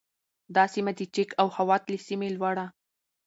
دا سیمه د چک او خوات له سیمې لوړه